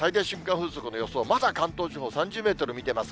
風速の予想、まだ関東地方、３０メートル見てます。